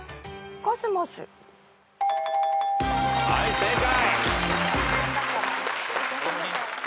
はい正解。